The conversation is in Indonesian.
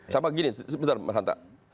sama gini sebentar mas hanta